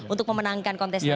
untuk memenangkan kontestasi ini